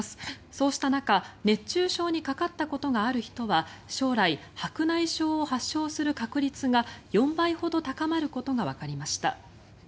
そうした中熱中症にかかったことがある人は将来、白内障を発症する確率が４倍ほど高まることがわかりました。